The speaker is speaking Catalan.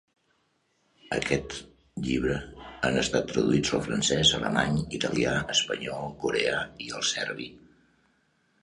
Aquests llibres han estat traduïts al francès, alemany, italià, espanyol, coreà, i el serbi.